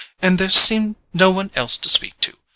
. and there seemed no one else to speak to.